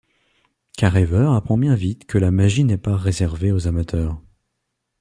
Car Ever apprend bien vite que la magie n'est pas réservée aux amateurs.